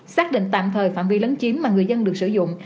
xác định tạm thời phạm vi lấn chiếm mà người dân được sử dụng